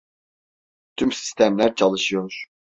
Tüm sistemler çalışıyor.